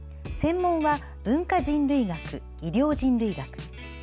専門は文化人類学、医療人類学。